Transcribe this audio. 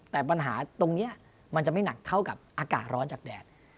แต่ปัญหาตรงนี้มันจะไม่หนักเท่ากับอากาศร้อนจากแดด